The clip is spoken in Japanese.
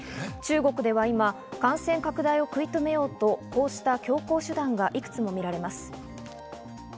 中国では今、感染拡大を食い止めようとこうした強硬手段が幾つも見られます。